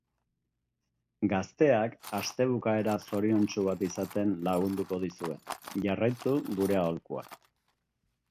Gazteak astebukaera zoriontsu bat izaten lagunduko dizue, jarraitu gure aholkuak!